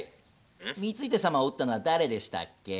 光秀様を討ったのは誰でしたっけ？